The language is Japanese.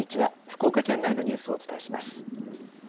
福岡県内のニュースをお伝えします。